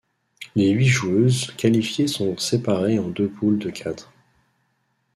Les huit joueuses qualifiées sont séparées en deux poules de quatre.